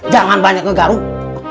jangan banyak ngegaruh